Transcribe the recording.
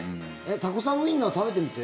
タコさんウインナー食べてみて。